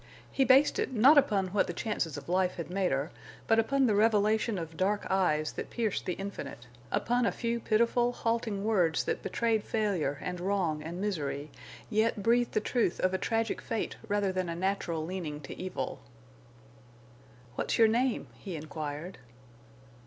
He based it, not upon what the chances of life had made her, but upon the revelation of dark eyes that pierced the infinite, upon a few pitiful, halting words that betrayed failure and wrong and misery, yet breathed the truth of a tragic fate rather than a natural leaning to evil. "What's your name?" he inquired.